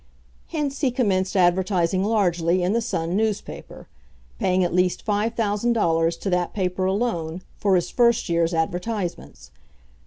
Hence he commenced advertising largely in the Sun newspaper paying at least $5,000 to that paper alone, for his first year's advertisements.